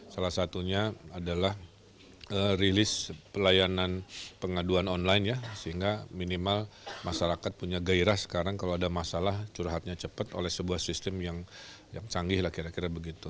salah satunya adalah rilis pelayanan pengaduan online ya sehingga minimal masyarakat punya gairah sekarang kalau ada masalah curhatnya cepat oleh sebuah sistem yang canggih lah kira kira begitu